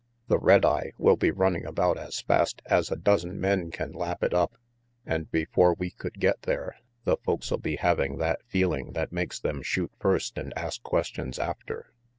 The red eye will be running about as fast as a dozen men can lap it up, and before we could get there the folks'll be having that feeling that makes them shoot first and ask questions after."